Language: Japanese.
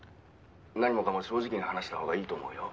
「何もかも正直に話した方がいいと思うよ」